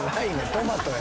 トマトや。